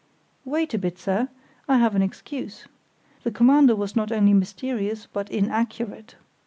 "Wait a bit, sir; I have an excuse. The Commander was not only mysterious but inaccurate.